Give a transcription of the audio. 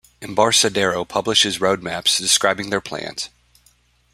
Embarcadero publishes "roadmaps" describing their plans.